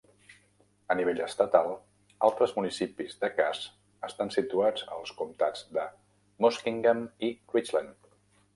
A nivell estatal, altres municipis de Cass estan situats als comtats de Muskingum i Richland.